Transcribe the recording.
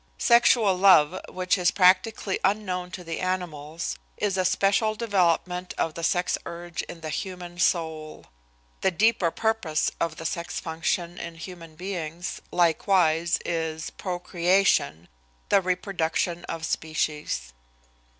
Sexual love, which is practically unknown to the animals, is a special development of the sex urge in the human soul. The deeper purpose of the sex function in human beings, likewise, is procreation, the reproduction of species.